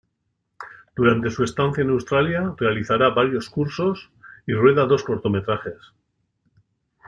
Durante su estancia en Australia, realizará varios cursos y rueda dos cortometrajes.